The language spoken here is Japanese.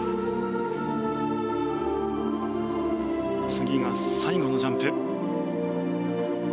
次が最後のジャンプ。